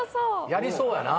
やりそうやな。